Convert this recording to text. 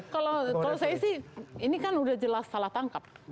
kalau saya sih ini kan udah jelas salah tangkap